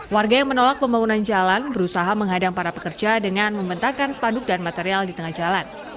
warga yang menolak pembangunan jalan berusaha menghadang para pekerja dengan membentangkan sepanduk dan material di tengah jalan